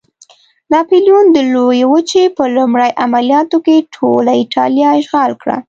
ناپلیون د لویې وچې په لومړي عملیاتو کې ټوله اېټالیا اشغال کړه.